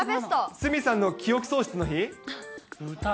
鷲見さんの記憶喪失の日？